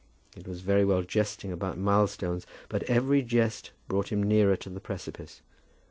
It was very well jesting about milestones, but every jest brought him nearer to the precipice.